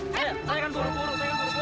tidak ada yang bisa mengangkatnya